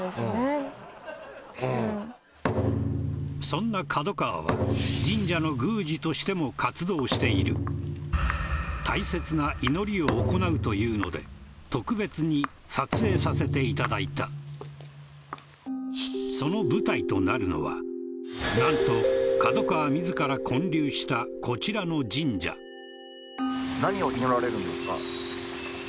そんな角川は神社の宮司としても活動している大切な祈りを行うというので特別に撮影させていただいたその舞台となるのは何と角川自ら建立したこちらの神社ええ